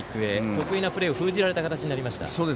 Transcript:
得意なプレーを封じられた形になりました。